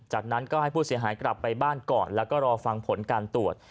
จากนั้นก็ให้ผู้เสียหายกลับไปบ้านก่อนแล้วก็รอฟังผลการตรวจ